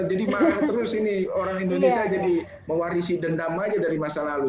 marah terus ini orang indonesia jadi mewarisi dendam aja dari masa lalu